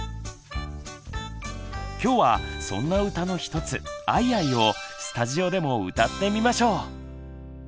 今日はそんな歌の一つ「アイアイ」をスタジオでも歌ってみましょう！